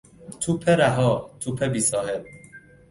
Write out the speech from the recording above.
توپ رها، توپ بی صاحب